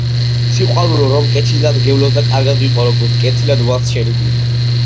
სიყვარულო, რომ კეთილად გევლოს და კარგად იყო, როგორც კეთილად ვალს შენი გული.